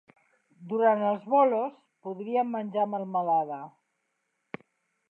Durant els bolos podríem menjar melmelada.